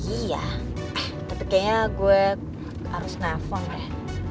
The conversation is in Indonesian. iya tapi kayaknya gue harus nelfon deh